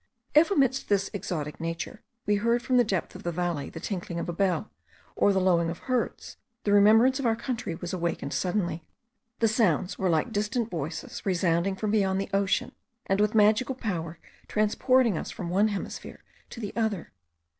If amidst this exotic nature we heard from the depth of the valley the tinkling of a bell, or the lowing of herds, the remembrance of our country was awakened suddenly. The sounds were like distant voices resounding from beyond the ocean, and with magical power transporting us from one hemisphere to the other.